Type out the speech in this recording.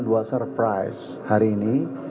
dua surprise hari ini